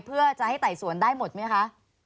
เพื่อจะให้ไต่สวนได้หมดไหมคะ